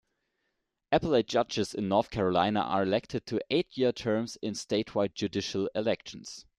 Appellate judges in North Carolina are elected to eight-year terms in statewide judicial elections.